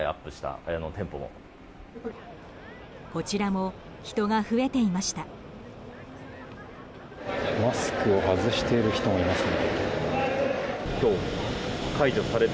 こちらも人が増えていました。